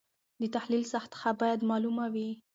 د تحلیل سطحه باید معلومه وي.